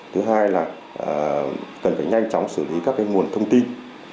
thứ hai là cần phải nhanh chóng xử lý các nguồn thông tin